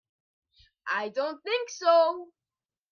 I don't think so.